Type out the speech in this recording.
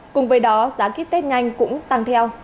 cùng với đó giá kýt tết nhanh cũng tăng theo